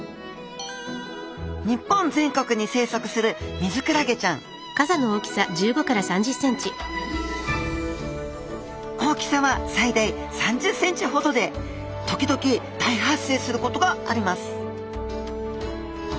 日本全国に生息するミズクラゲちゃん大きさは最大３０ｃｍほどで時々大発生することがあります